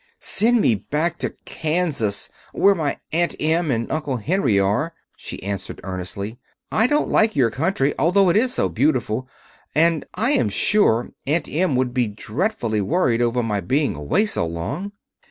"Send me back to Kansas, where my Aunt Em and Uncle Henry are," she answered earnestly. "I don't like your country, although it is so beautiful. And I am sure Aunt Em will be dreadfully worried over my being away so long."